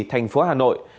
thành phố hà nội